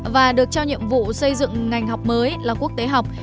và được cho nhiệm vụ xây dựng ngành học mới là quốc tế học